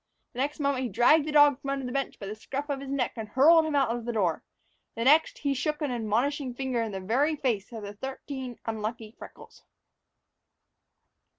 The next moment he dragged the dog from under the bench by the scruff of the neck and hurled him out of the door; the next, he shook an admonishing finger in the very face of the thirteen unlucky freckles.